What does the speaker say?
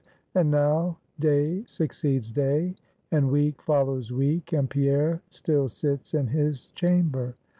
And now day succeeds day, and week follows week, and Pierre still sits in his chamber.